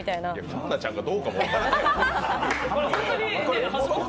環奈ちゃんかどうかも分からないやん。